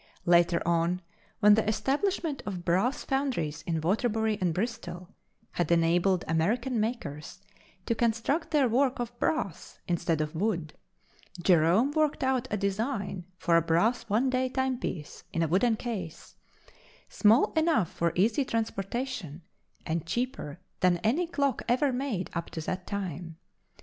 Later on, when the establishment of brass foundries in Waterbury and Bristol had enabled American makers to construct their work of brass instead of wood, Jerome worked out a design for a brass one day timepiece in a wooden case, small enough for easy transportation, and cheaper than any clock ever made up to that time.